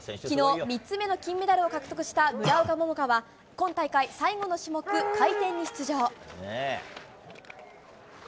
昨日３つ目の金メダルを獲得した村岡桃佳は今大会最後の種目、回転に出場。